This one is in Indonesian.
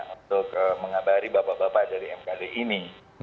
untuk mengabari bapak bapak dari mkd ini